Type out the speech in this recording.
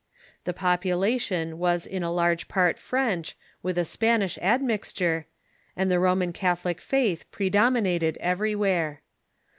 The population was in a large part French, with a Spanish admixture, and the Roman Catholic faith predominated everywhere.